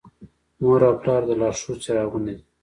مور او پلار د لارښود څراغونه دي.